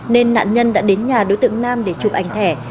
nên nạn nhân đã đến nhà đối tượng nam để chụp ảnh thẻ